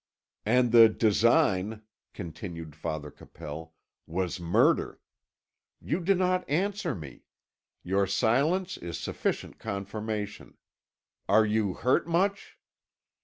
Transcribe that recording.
"And the design," continued Father Capel, "was murder. You do not answer me; your silence is sufficient confirmation. Are you hurt much?"